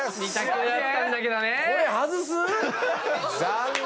残念！